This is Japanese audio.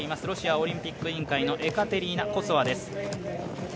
ロシアオリンピック委員会のエカテリーナ・コソワです。